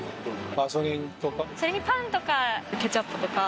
パンとかケチャップとか。